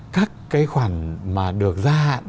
các cái khoản mà được gia hạn